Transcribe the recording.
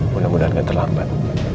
mudah mudahan gak terlambat